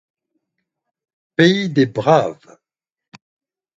Pays des braves!